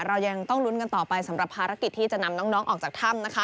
เรายังต้องลุ้นกันต่อไปสำหรับภารกิจที่จะนำน้องออกจากถ้ำนะคะ